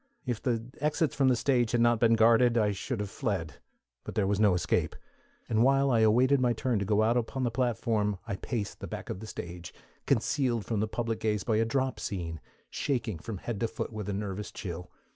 _" If the exits from the stage had not been guarded, I should have fled; but there was no escape, and while I awaited my turn to go out upon the platform I paced the back of the stage, concealed from the public gaze by a drop scene, shaking from head to foot with a nervous chill.